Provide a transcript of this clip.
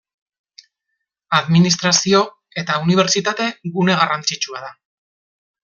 Administrazio eta unibertsitate gune garrantzitsua da.